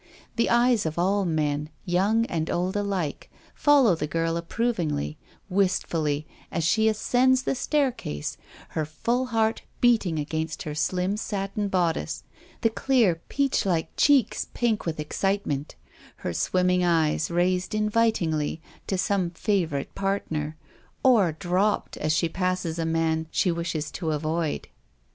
The eyes of all men — young and old alike — follow the girl approv ingly, wistfully, as she ascends the staircase, her full heart beating against her slim satin bodice, the clear, peachlike cheeks pink with excitement, her swimming eyes raised invit ingly to some favourite partner, or dropped as she passes a man she wishes to avoid.